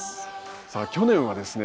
さあ去年はですね